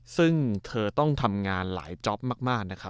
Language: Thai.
ซึ่งเธอต้องทำงานหลายจอปมาก